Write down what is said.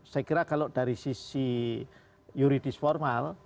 saya kira kalau dari sisi yuridis formal